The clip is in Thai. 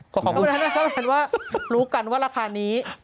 ครับว่ารู้กันว่าราคานี้